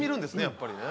やっぱりね。